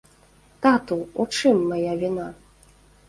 Тату, у чым мая віна?